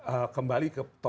nah kembali ke pemilu